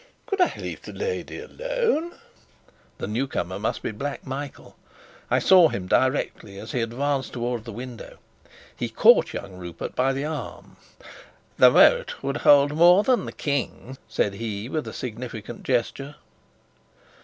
Could I leave the lady alone?" The newcomer must be Black Michael. I saw him directly, as he advanced towards the window. He caught young Rupert by the arm. "The moat would hold more than the King!" said he, with a significant gesture.